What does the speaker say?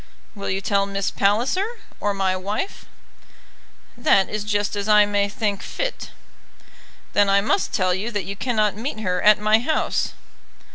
"Will you tell Miss Palliser, or my wife?" "That is just as I may think fit." "Then I must tell you that you cannot meet her at my house."